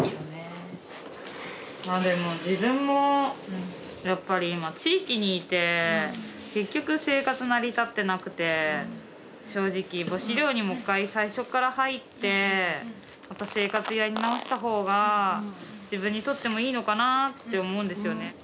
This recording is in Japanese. まあでも自分もやっぱり今地域にいて結局生活成り立ってなくて正直母子寮にもう一回最初から入ってまた生活やり直した方が自分にとってもいいのかなあって思うんですよね。